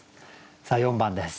さあ４番です。